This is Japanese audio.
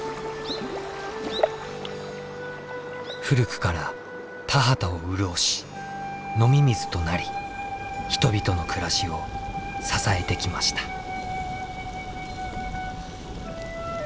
古くから田畑を潤し飲み水となり人々の暮らしを支えてきました。